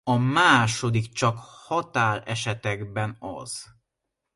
A második csak határesetekben az.